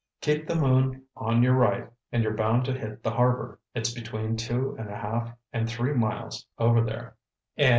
Keep the moon on your right and you're bound to hit the harbor. It's between two and a half and three miles over there."